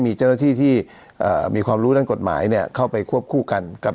มีเจ้าหน้าที่ที่มีความรู้ด้านกฎหมายเนี่ยเข้าไปควบคู่กันกับ